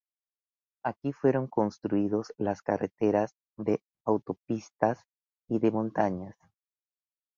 Aquí fueron construidos las carreteras de autopistas y de montañas.